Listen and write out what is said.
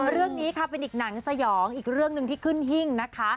เรื่องนี้ค่ะเป็นอีกหนังสยองอีกเรื่องหนึ่งที่ขึ้นหิ้งนะคะ